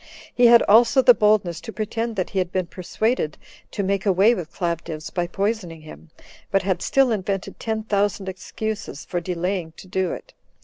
He had also the boldness to pretend that he had been persuaded to make away with Claudius, by poisoning him, but had still invented ten thousand excuses for delaying to do it.